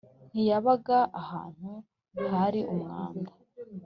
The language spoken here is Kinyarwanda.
ntiyabaga ahantu hari umwanda